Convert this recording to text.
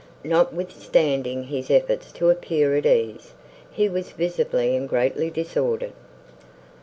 Notwithstanding his efforts to appear at ease, he was visibly and greatly disordered.